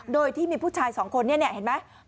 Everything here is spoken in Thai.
โดยที่มีผู้ชายสองคนเนี่ยเห็นไหม